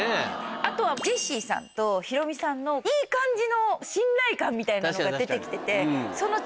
あとはジェシーさんとヒロミさんのいい感じの信頼感みたいなのが出て来てて。